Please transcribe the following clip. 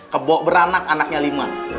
kebo beranak anaknya lima